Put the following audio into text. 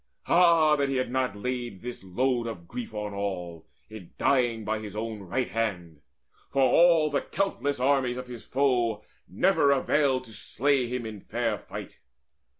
Ah that he had not laid this load of grief On all, in dying by his own right hand! For all the countless armies of his foes Never availed to slay him in fair fight."